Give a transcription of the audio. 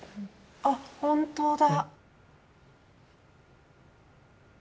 あっ本当だ。